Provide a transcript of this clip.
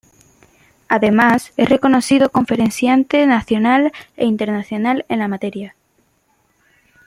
Además es un reconocido conferenciante nacional e internacional en la materia.